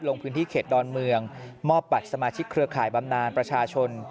ลงพื้นที่เขตดอนเมืองมอบบัตรสมาชิกเครือข่ายบำนานประชาชน